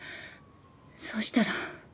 そうしたら。